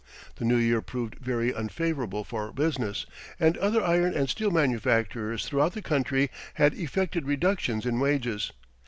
The new year proved very unfavorable for business, and other iron and steel manufacturers throughout the country had effected reductions in wages.